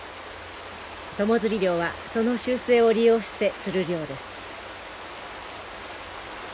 友釣り漁はその習性を利用して釣る漁です。